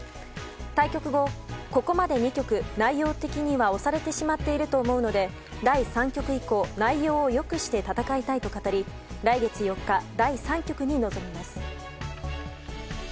対局後、ここまで２局内容的は押されてしまっていると思うので第３局以降内容を良くして戦いたいと語り来月４日、第３局に臨みます。